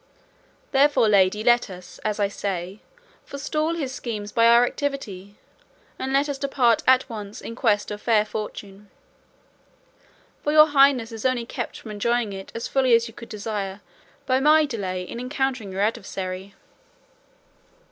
Therefore, lady, let us, as I say, forestall his schemes by our activity, and let us depart at once in quest of fair fortune; for your highness is only kept from enjoying it as fully as you could desire by my delay in encountering your adversary."